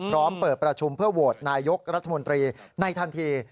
เปิดประชุมเพื่อโหวตนายกรัฐมนตรีในทันที